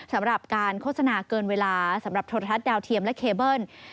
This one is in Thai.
สำหรับการโฆษณาเกินเวลาสำหรับโทรทัศน์ดาวเทียมและเคเบิ้ล